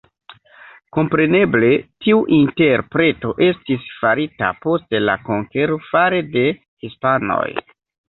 Kompreneble tiu interpreto estis farita post la konkero fare de hispanoj.